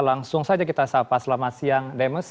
langsung saja kita sapa selamat siang demes